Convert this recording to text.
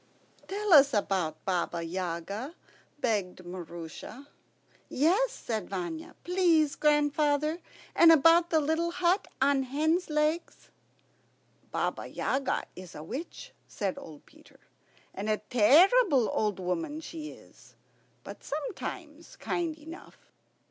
"Tell us about Baba Yaga," begged Maroosia. "Yes," said Vanya, "please, grandfather, and about the little hut on hen's legs." "Baba Yaga is a witch," said old Peter; "a terrible old woman she is, but sometimes kind enough.